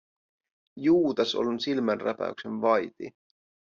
Juutas on silmänräpäyksen vaiti.